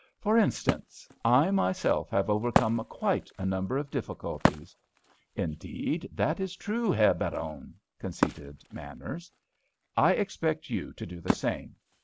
"For instance, I myself have overcome quite a number of difficulties." "Indeed, that is true, Herr Baron," conceded Manners. "I expect you to do the same.